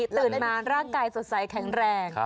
ตื่นมาร่างกายสดใสแข็งแรง